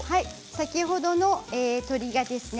先ほどの鶏ですね。